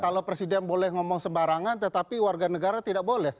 kalau presiden boleh ngomong sembarangan tetapi warga negara tidak boleh